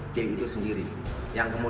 yang kemudian tembus